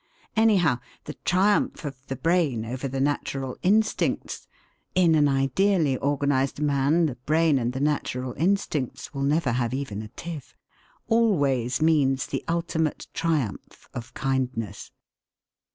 Anyhow, the triumph of the brain over the natural instincts (in an ideally organised man the brain and the natural instincts will never have even a tiff) always means the ultimate triumph of kindness.